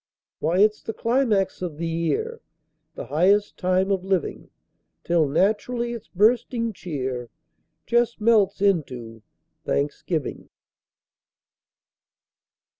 Why, it's the climax of the year, The highest time of living! Till naturally its bursting cheer Just melts into thanksgiving.